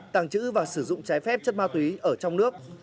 tàng trữ và sử dụng trái phép chất ma túy ở trong nước